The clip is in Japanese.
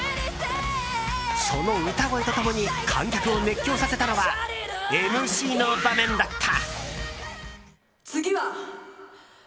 その歌声と共に観客を熱狂させたのはＭＣの場面だった。